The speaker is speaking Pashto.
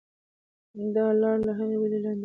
دا لار له هغې بلې لنډه ده.